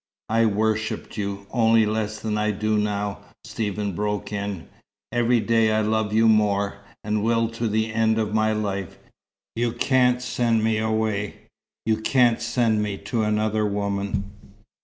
"I worshipped you, only less than I do now," Stephen broke in. "Every day I love you more and will to the end of my life. You can't send me away. You can't send me to another woman."